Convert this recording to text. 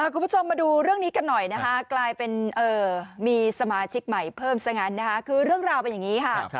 คุณผู้ชมมาดูเรื่องนี้กันหน่อยนะคะกลายเป็นมีสมาชิกใหม่เพิ่มซะงั้นนะคะคือเรื่องราวเป็นอย่างนี้ค่ะ